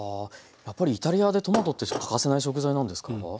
やっぱりイタリアでトマトって欠かせない食材なんですか？